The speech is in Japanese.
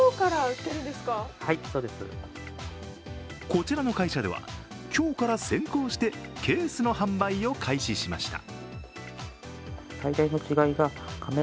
こちらの会社では今日から先行してケースの販売を開始しました。